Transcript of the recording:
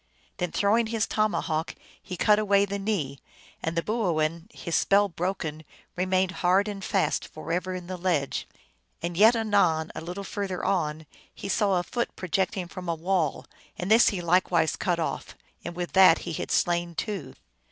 Then throwing his tomahawk he cut away the knee, and the boo oin, his spell broken, remained hard and fast forever in the ledge. And yet, anon, a little further on, he saw a foot projecting from a wall, and this he likewise cut off, and with that he had slain two.